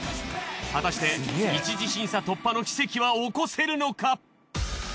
果たして一次審査突破の奇跡は起こせるのか！？